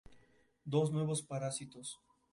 Dos nuevos parásitos".